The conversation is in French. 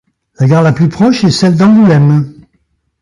La gare la plus proche est celle d'Angoulême.